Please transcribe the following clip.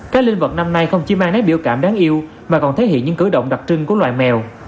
các linh vật năm nay không chỉ mang nét biểu cảm đáng yêu mà còn thể hiện những cử động đặc trưng của loài mèo